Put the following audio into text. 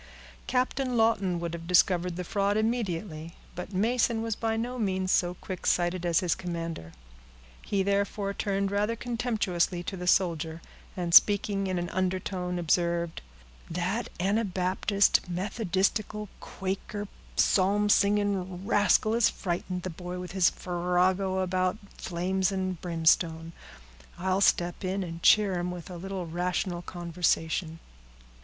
Captain Lawton would have discovered the fraud immediately, but Mason was by no means so quick sighted as his commander. He therefore turned rather contemptuously to the soldier, and, speaking in an undertone, observed, "That anabaptist, methodistical, quaker, psalm singing rascal has frightened the boy, with his farrago about flames and brimstone. I'll step in and cheer him with a little rational conversation."